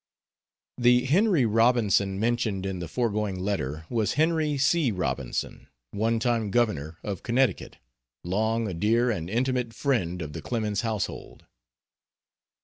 The Henry Robinson mentioned in the foregoing letter was Henry C. Robinson, one time Governor of Connecticut, long a dear and intimate friend of the Clemens household.